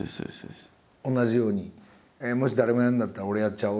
同じようにもし誰もやらないんだったら俺やっちゃおうとか。